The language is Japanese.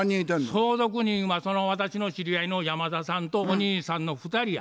相続人はその私の知り合いの山田さんとお兄さんの２人や。